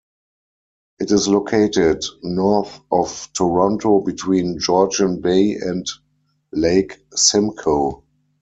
It is located north of Toronto between Georgian Bay and Lake Simcoe.